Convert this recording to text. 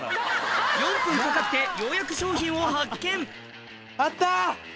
４分かかってようやく商品を発見あった！